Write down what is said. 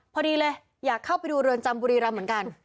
พอดีเลยอยากเข้าไปดูเรือนจำบุรีรำเหมือนกัน